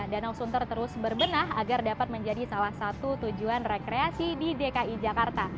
danau sunter terus berbenah agar dapat menjadi salah satu tujuan rekreasi di dki jakarta